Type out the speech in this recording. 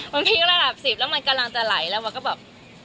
มันพีคระดับสิบแล้วมันกำลังจะไหลแล้วมันก็บอก